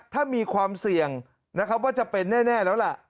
ถ้ามีความเสี่ยงนะครับว่าจะเป็นแน่แล้วล่ะ